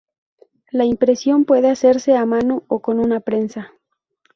La impresión puede hacerse a mano o con una prensa.